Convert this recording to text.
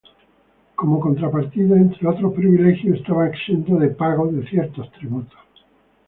Como contrapartida, entre otros privilegios, estaba exento de pago de ciertos tributos.